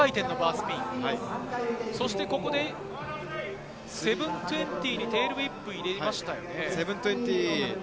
そしてここで７２０にテールウィップを入れましたね。